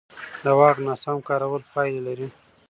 د واک ناسم کارول پایلې لري